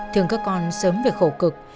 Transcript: thường các con sớm về khổ cực